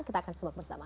kita akan sebut bersama